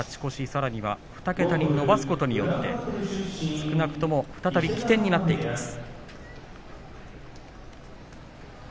さらには２桁伸ばすことによって少なくとも再び起点になっていきます。